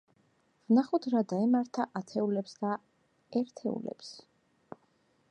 ვნახოთ რა დაემართა ათეულებს და ერთეულებს.